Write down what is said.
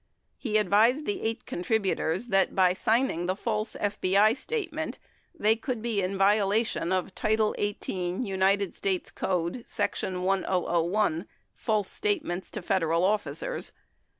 He advised the eight contributors that by signing the false FBI statement they could be in violation of title 18, United States Code, section 1001 (False state ments to Federal officers)